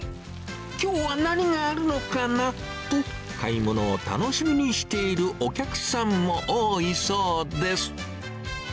きょうは何があるのかな？と買い物を楽しみにしているお客さんも多いそうです。